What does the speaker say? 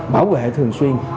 bảo vệ thường xuyên